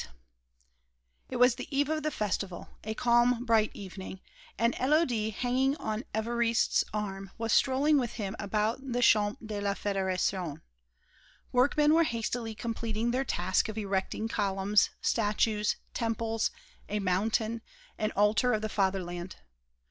VIII It was the eve of the Festival, a calm, bright evening, and Élodie hanging on Évariste's arm, was strolling with him about the Champ de la Fédération. Workmen were hastily completing their task of erecting columns, statues, temples, a "mountain," an altar of the Fatherland.